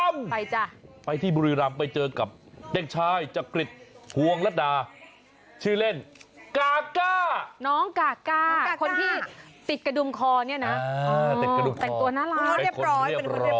นี่อยู่ที่โรงเรียนนี้